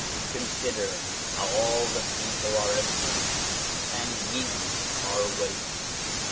Consider how all the people are asleep and ye are awake.